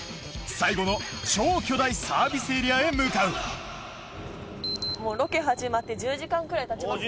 最後の超巨大サービスエリアへ向かうもうロケ始まって１０時間ぐらいたちます。